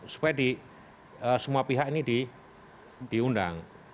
supaya semua pihak ini diundang